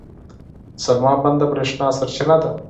د سلما بند د برېښنا سرچینه ده.